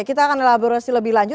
kita akan elaborasi lebih lanjut